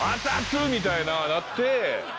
みたいななって。